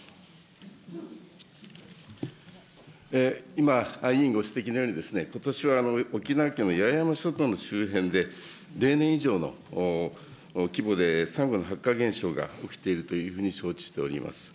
今、委員ご指摘のように、ことしは沖縄県の八重山諸島の周辺で、例年以上の規模でサンゴの白化現象が起きているというふうに承知しております。